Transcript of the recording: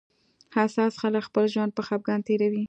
حساس خلک خپل ژوند په خپګان تېروي